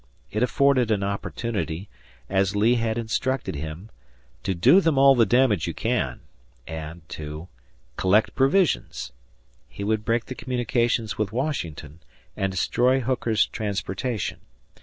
It afforded an opportunity, as Lee had instructed him, "to do them all the damage you can" and to "collect provisions"; he would break the communications with Washington and destroy Hooker's transportation.